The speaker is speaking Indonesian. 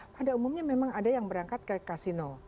pada umumnya memang ada yang berangkat ke kasino